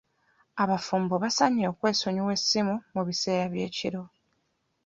Abafumbo basaanye okwesonyiwa essimu mu biseera by'ekiro.